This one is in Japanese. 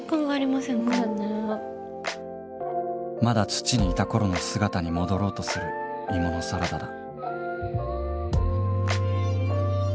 まだ土にいた頃の姿に戻ろうとする芋のサラダだ